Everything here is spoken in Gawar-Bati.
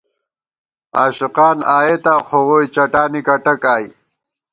عاشقان آئېتا خو ، ووئی چَٹانی کٹَک آئی